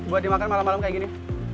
buat dimakan malam malam kayak gini